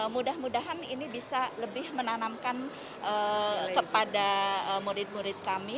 mudah mudahan ini bisa lebih menanamkan kepada murid murid kami